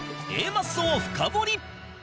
マッソを深掘り